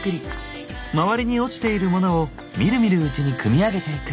周りに落ちているモノをみるみるうちに組み上げていく。